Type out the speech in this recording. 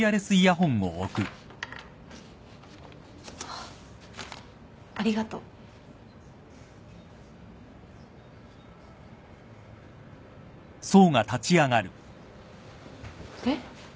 あっありがとう。えっ？